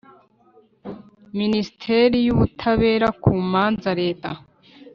Minisiteri y ubutabera ku manza leta